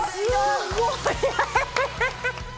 すごいえ！